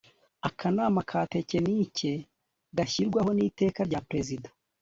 akanama ka tekinike gashyirwaho n'iteka rya perezida